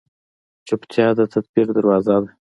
چپتیا، د تدبیر دروازه ده.